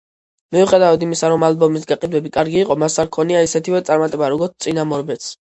მიუხედავად იმისა, რომ ალბომის გაყიდვები კარგი იყო, მას არ ჰქონია ისეთივე წარმატება, როგორც წინამორბედს.